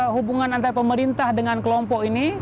hubungan antara pemerintah dengan kelompok ini